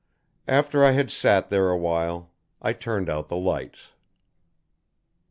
After I had sat there a while, I turned out the lights.